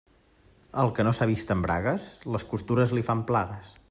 El que no s'ha vist en bragues, les costures li fan plagues.